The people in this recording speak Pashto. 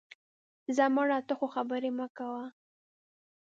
ځه مړه، ته خو خبرې مه کوه